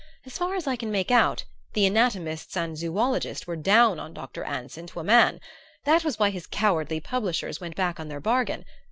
As far as I can make out, the anatomists and zoologists were down on Dr. Anson to a man; that was why his cowardly publishers went back on their bargain.